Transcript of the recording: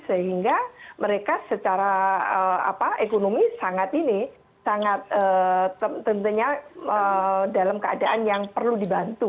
sehingga mereka secara ekonomi sangat ini sangat tentunya dalam keadaan yang perlu dibantu